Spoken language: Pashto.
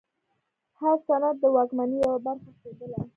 هر سند د واکمنۍ یوه برخه ښودله.